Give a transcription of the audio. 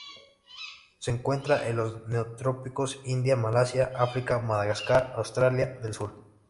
Se encuentra en los Neotrópicos, India, Malasia, África, Madagascar, Australia, del Sur.